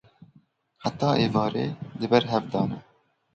Heta êvarê di ber hev de ne.